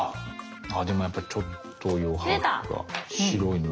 あでもやっぱりちょっと余白が白いの残ってます。